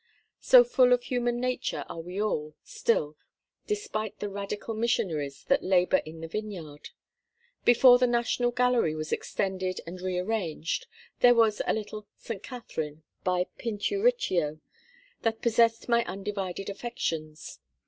So full of human nature are we all—still—despite the Radical missionaries that labour in the vineyard. Before the National Gallery was extended and rearranged, there was a little "St Catherine" by Pinturicchio that possessed my undivided affections.